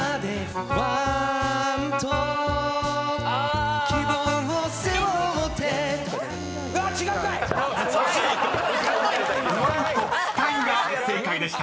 ［「不安と期待」が正解でした］